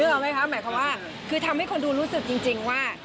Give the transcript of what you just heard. หมายความว่าคือทำให้คนดูรู้สึกจริงว่า